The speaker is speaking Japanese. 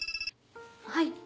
はい。